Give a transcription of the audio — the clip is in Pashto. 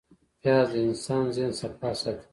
پیاز د انسان د ذهن صفا ساتي